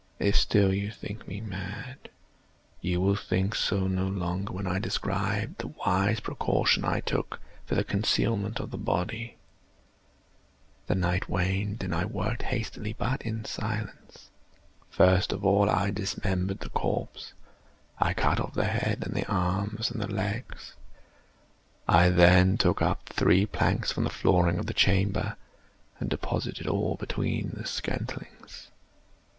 If still you think me mad, you will think so no longer when I describe the wise precautions I took for the concealment of the body. The night waned, and I worked hastily, but in silence. First of all I dismembered the corpse. I cut off the head and the arms and the legs. I then took up three planks from the flooring of the chamber, and deposited all between the scantlings.